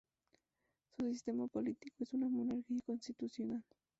Su sistema político es una monarquía constitucional.